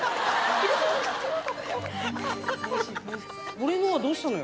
俺のはどうしたのよ？